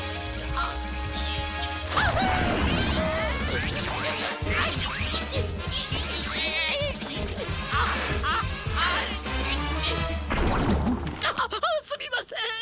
あっあっすみません。